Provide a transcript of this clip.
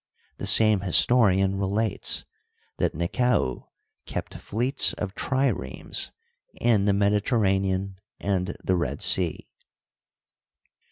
The same historian relates that Nekau kept fleets of triremes in the Mediterranean and the Red Sea.